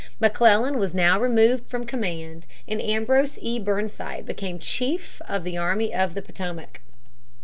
McClellan was now removed from command, and Ambrose E. Burnside became chief of the Army of the Potomac.